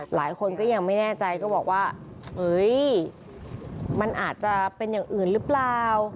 หลายคนก็ยังไม่แน่ใจก็บอกว่าเฮ้ยมันอาจจะเป็นอย่างอื่นหรือเปล่า